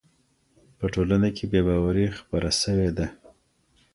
په ټولنه کي بې باوري خپره سوې ده.